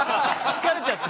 疲れちゃって。